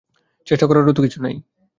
চেষ্টা করারও তো কিছু নাই।